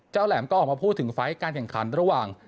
แหลมก็ออกมาพูดถึงไฟล์การแข่งขันระหว่าง